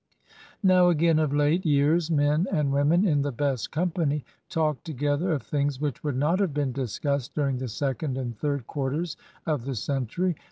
Now again of late years men and women in the best company talk together of things which would not have been discussed during the second and third quarters of the century.